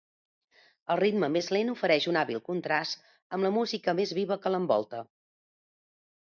El ritme més lent ofereix un hàbil contrast amb la música més viva que l'envolta.